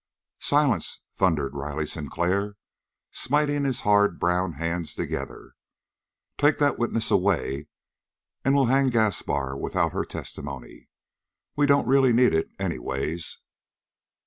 "Silence!" thundered Riley Sinclair, smiting his hard brown hands together. "Take that witness away and we'll hang Gaspar without her testimony. We don't really need it anyways."